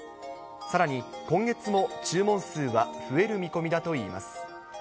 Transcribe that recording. さらに、今月も注文数は増える見込みだといいます。